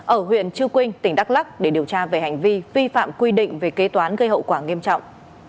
ở huyện chư quynh tỉnh đắk lắc để điều tra về hành vi vi phạm quy định về kế toán gây hậu quả nghiêm trọng